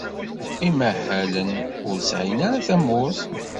Imahalen-nni ur sɛin ara tamurt.